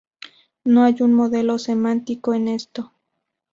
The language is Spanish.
No hay un modelo semántico en esto.